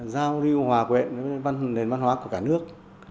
giao lưu hòa quện với nền văn hóa của cả nước